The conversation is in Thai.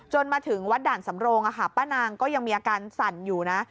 มาถึงวัดด่านสำโรงป้านางก็ยังมีอาการสั่นอยู่นะ